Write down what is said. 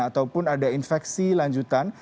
ataupun ada infeksi lanjutan